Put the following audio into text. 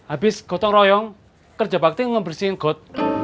abis kotor royong kerja baktin ngebersihin kot